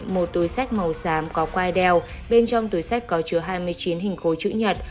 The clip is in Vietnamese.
màu xám có quai đeo bên trong túi sách có chứa hai mươi chín hình khối chữ nhật